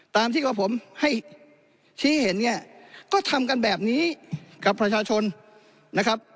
ตามที่ก็ผมให้ชี้เห็นเนี่ยก็ทำกันแบบนี้กับประชาชนนะครับ